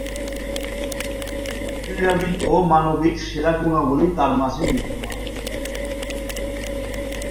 ক্রীড়াবিদ ও মানবিক সেরা গুণাবলী তার মাঝে বিদ্যমান।